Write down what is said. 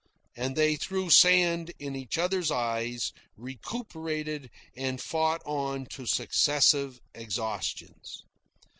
And they threw sand in each other's eyes, recuperated, and fought on to successive exhaustions.